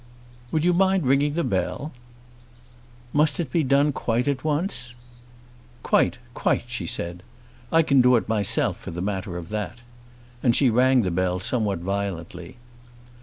"Would you mind ringing the bell?" "Must it be done quite at once?" "Quite, quite," she said. "I can do it myself for the matter of that." And she rang the bell somewhat violently.